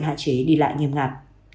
hạ chế đi lại nghiêm ngặt